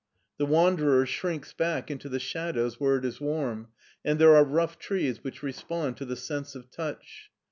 The wanderer shrinks bade into the shadows where it is warm, and there are rough trees which respond to the sense of touch.